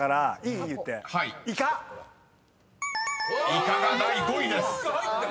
［「イカ」が第５位です］